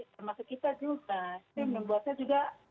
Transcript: ini membuat saya juga tidak senang dengan masalah itu